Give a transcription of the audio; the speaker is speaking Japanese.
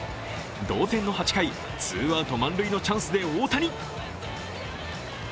同点の８回、ツーアウト満塁のチャンスで大谷。